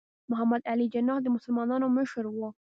محمد علي جناح د مسلمانانو مشر و.